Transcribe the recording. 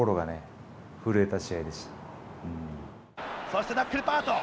そしてナックルパート。